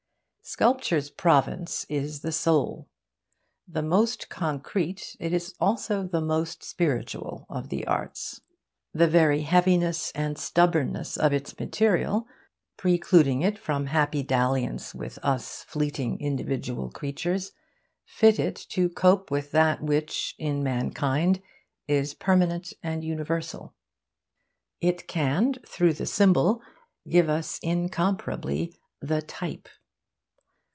Sculpture's province is the soul. The most concrete, it is also the most spiritual of the arts. The very heaviness and stubbornness of its material, precluding it from happy dalliance with us fleeting individual creatures, fit it to cope with that which in mankind is permanent and universal. It can through the symbol give us incomparably the type.